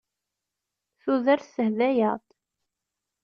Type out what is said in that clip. Tudert tehda-aɣ-d.